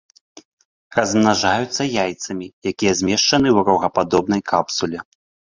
Размнажаюцца яйцамі, якія змешчаны ў рогападобнай капсуле.